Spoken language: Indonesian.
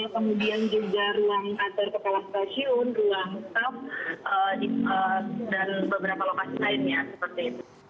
kemudian juga ruang kantor kepala stasiun ruang staff dan beberapa lokasi lainnya seperti itu